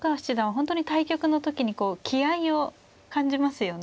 本当に対局の時に気合いを感じますよね。